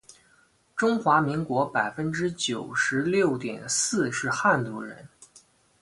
中华民国百分之九十六点四是汉族人